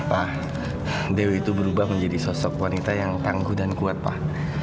pak dewi itu berubah menjadi sosok wanita yang tangguh dan kuat pak